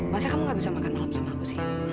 masa kamu gak bisa makan malam sama aku sih